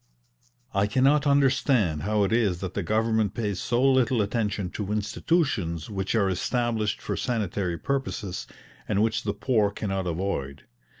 I cannot understand how it is that the government pays so little attention to institutions which are established for sanitary purposes and which the poor cannot avoid.